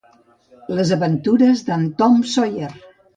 Les aventures d'en Tom Sawyer.